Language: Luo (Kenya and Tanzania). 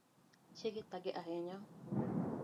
Chiege thage ahinya